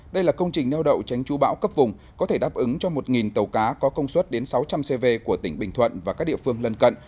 đây là công trình neo đậu tránh chú bão cấp vùng có thể đáp ứng cho một tàu cá có công suất đến sáu trăm linh cv của tỉnh bình thuận và các địa phương lân cận